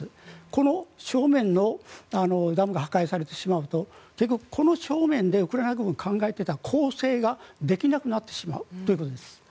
この正面のダムが破壊されてしまうとこの正面でウクライナ軍が考えていた攻勢ができなくなってしまうということです。